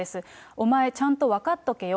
お前ちゃんと分かっとけよ。